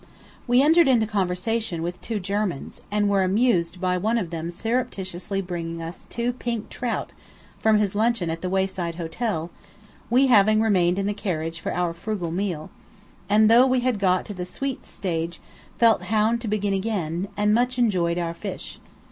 We entered into conversation with two Germans, and were amused by one of them surreptitiously bringing us two pink trout from his luncheon at the wayside hotel, we having remained in the carriage for our frugal meal; and though we had got to the "Sweets" stage felt hound to begin again, and much enjoyed our fish.